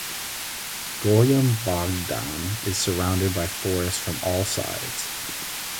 Golyam Bogdan is surrounded by forests from all sides.